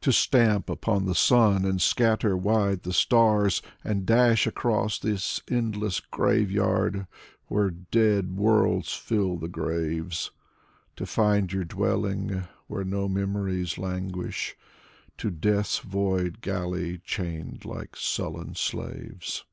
To stamp upon the sun and scatter wide the stars, And dash across this endless graveyard Where dead worlds fill the graves. To find your dwelling where no memories languish. To Death's void galley chained like sullen slaves.